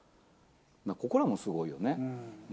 ここらもすごいよね。